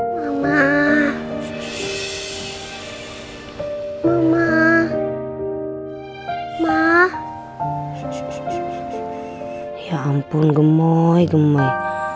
mama mama ma ya ampun gemoy gemoy